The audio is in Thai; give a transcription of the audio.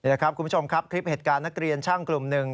ละครับคุณผู้ชมครับคลิปเหตุการณ์นักเรียนช่างกลุ่มหนึ่ง